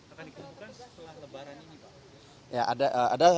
akan ditemukan setelah lebaran ini pak